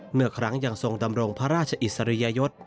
เมื่อครั้งยังทรงดำรงพระราชอิสริยยศ